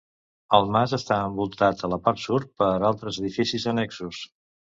El mas està envoltat a la part sud per altres edificis annexos.